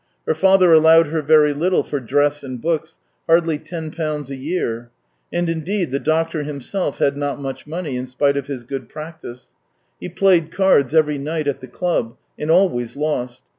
Her father allowed her very little for dress and books, hardly ten pounds a year. And, indeed, the doctor himself had not much money in spite of his good practice. He played cards every night at the club, and always lost.